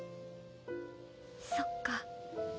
そっか。